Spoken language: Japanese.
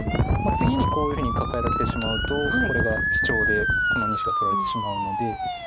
次にこういうふうにカカえられてしまうとこれがシチョウでこの２子が取られてしまうので。